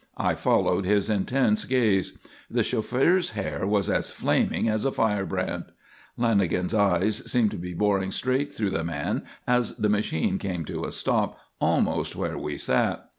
I followed his intense gaze. The chauffeur's hair was as flaming as a firebrand. Lanagan's eyes seemed to be boring straight through the man as the machine came to a stop almost where we sat.